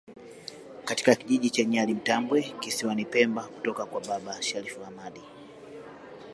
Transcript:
katika kijiji cha Nyali Mtambwe kisiwani pemba kutoka kwa baba Sharif Hamad